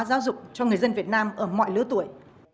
giáo dục cho người dân việt nam ở mọi lứa tuổi